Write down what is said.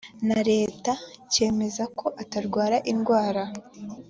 na leta cyemeza ko atarwara indwara